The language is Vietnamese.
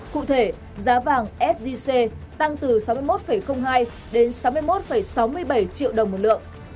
cụ thể giá vàng sgc tăng từ sáu mươi một hai đến sáu mươi một sáu mươi bảy triệu đồng một lượng